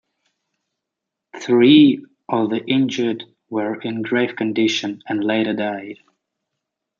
Three of the injured were in grave condition and later died.